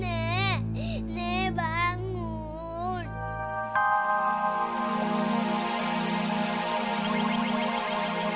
nenek kamu sudah meninggal